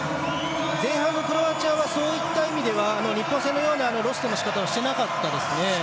前半のクロアチアはそういった意味では日本戦のようなロストのしかたをしていなかったですね。